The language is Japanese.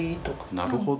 なるほど。